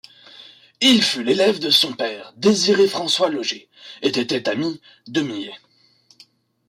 Il fut l'élève de son père Désiré François Laugée, et était ami de Millet.